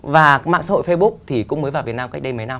và mạng xã hội facebook thì cũng mới vào việt nam cách đây mấy năm